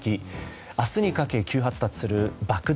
明日にかけ急発達する爆弾